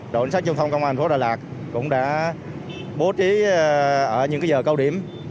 đội lãnh sát trung thông công an phố đà lạt cũng đã bố trí ở những giờ cao điểm